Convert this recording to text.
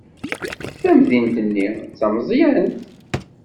Tamdint-nni d tameẓyant.